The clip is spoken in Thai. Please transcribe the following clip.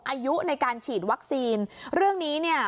อายุในการฉีดวัคซีนเรื่องนี้เนี่ย